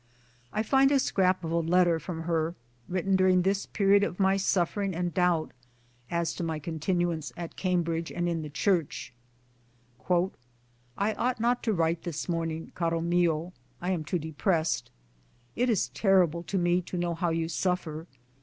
I find a scrap of a letter from her, written during this period of my suffering and doubt as to my continuance at Cambridge and in the Church : "I ought not to write this morning, caro mio, I am too depressed. It is terrible to me to know how you suffer.